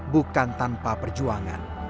bukan tanpa perjuangan